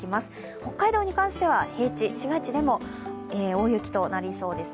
北海道に関しては平地、市街地でも大雪となりそうですね。